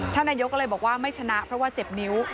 ท่านนายกอะไรบอกว่าไม่ชนะนั้นเท่าเจ็บนิ้ว